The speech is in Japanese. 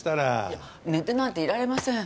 いや寝てなんていられません。